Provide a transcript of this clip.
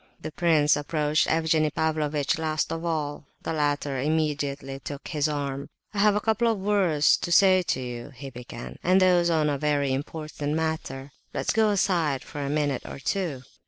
The prince approached Evgenie Pavlovitch last of all. The latter immediately took his arm. "I have a couple of words to say to you," he began, "and those on a very important matter; let's go aside for a minute or two."